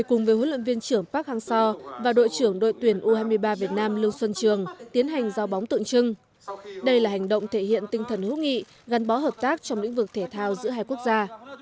u hai mươi ba việt nam lưu xuân trường tiến hành giao bóng tượng trưng đây là hành động thể hiện tinh thần hữu nghị gắn bó hợp tác trong lĩnh vực thể thao giữa hai quốc gia